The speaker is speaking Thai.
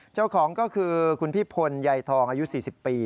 เจ้าของก็คือคุณพี่พลใยทองอายุ๔๐ปี